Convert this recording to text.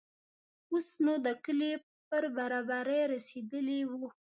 اوس نو د کلي پر برابري رسېدلي وو.